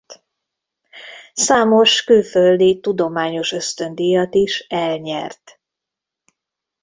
Számos külföldi tudományos ösztöndíjat is elnyert.